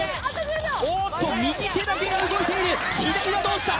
おっと右手だけが動いている左はどうした？